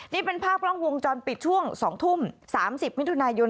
นี่เป็นภาพกล้องวงจรปิดช่วง๒ทุ่ม๓๐มิถุนายน